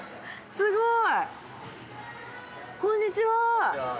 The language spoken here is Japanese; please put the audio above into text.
すごい！